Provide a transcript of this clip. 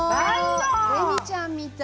レミちゃんみたい！